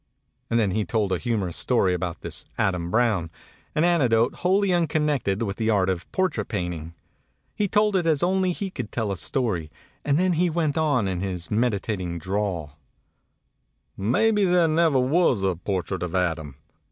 And then he told a humorous story about this Adam Brown, an anecdote wholly unconnected with the art of portrait painting. He told it as only he could tell a story; and then he went on in his meditating drawl: "Maybe there never was a portrait of Adam.